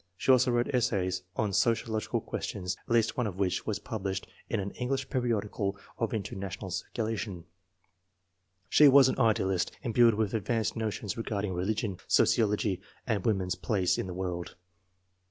She also wrote essays on socio logical questions, at least one of which was published in an English periodical of international circulation. She was an idealist, imbued with advanced notions regarding religion, sociology, and woman's place in the world.